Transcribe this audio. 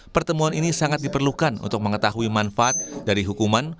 pertemuan ini sangat diperlukan untuk mengetahui manfaat dari hukuman